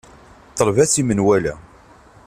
Ḍleb-as i menwala.